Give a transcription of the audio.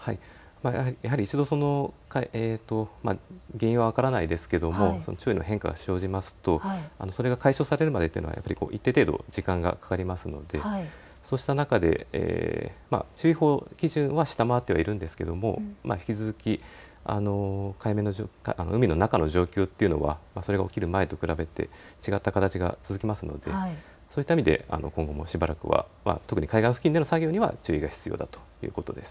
やはり１度、原因は分からないですが潮位の変化が生じますとそれが解消されるまでは一定程度、時間がかかりますのでそうした中で注意報基準は下回ってはいるんですが、引き続き海の中の状況というのはそれが起きる前と比べて違った形が続きますのでそういった意味で今後もしばらくは特に海岸付近での作業には注意が必要だということです。